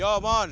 gue mau mandi